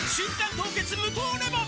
凍結無糖レモン」